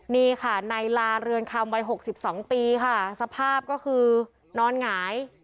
นี่ค่ะในลาเรือนคำวัย๖๒ปีค่ะสภาพก็คือนอนหงาย